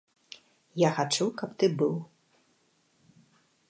Я хачу, каб ты быў.